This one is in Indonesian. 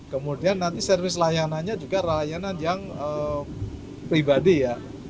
kemudian nanti servis layanannya juga layanan yang pribadi ya